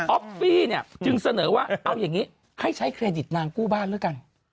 อฟฟี่เนี่ยจึงเสนอว่าเอาอย่างนี้ให้ใช้เครดิตนางกู้บ้านแล้วกัน